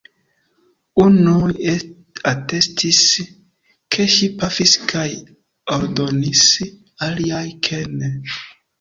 Unuj atestis, ke ŝi pafis kaj ordonis, aliaj, ke ne.